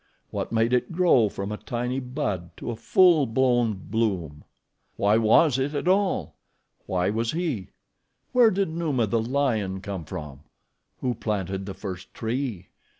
What made it grow from a tiny bud to a full blown bloom? Why was it at all? Why was he? Where did Numa, the lion, come from? Who planted the first tree?